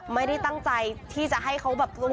ไม่ได้ตั้งใจที่จะให้เขาแบบ